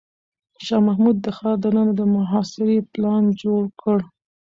شاه محمود د ښار دننه د محاصرې پلان جوړ کړ.